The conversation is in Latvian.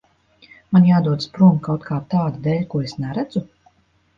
Man jādodas prom kaut kā tāda dēļ, ko es neredzu?